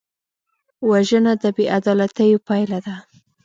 وژنه د بېعدالتیو پایله ده